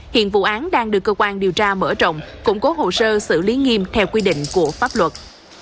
hiện vụ án đang được cơ quan điều tra mở rộng củng cố hồ sơ xử lý nghiêm theo quy định của pháp luật